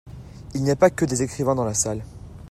Il n'y a pas que des écrivains dans la salle.